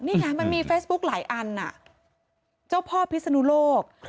นี่ไงมันมีเฟซบุ๊คหลายอันอ่ะเจ้าพ่อพิศนุโลก